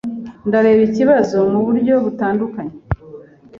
Ndareba ikibazo muburyo butandukanye.